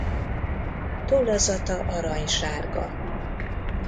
Tollazata aranysárga.